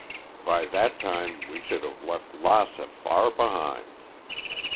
By that time we should have left Lassa far behind.